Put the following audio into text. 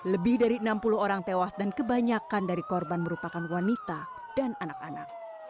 lebih dari enam puluh orang tewas dan kebanyakan dari korban merupakan wanita dan anak anak